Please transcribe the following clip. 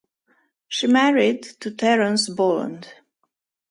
She married to Terence Boland.